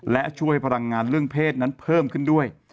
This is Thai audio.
และช่วยพลังงานเรื่องเพศนั้นเพิ่มขึ้นด้วย